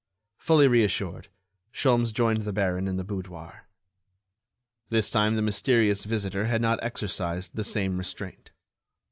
Fully reassured, Sholmes joined the baron in the boudoir. This time the mysterious visitor had not exercised the same restraint.